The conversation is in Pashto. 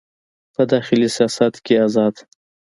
په داخلي سیاست کې ازاد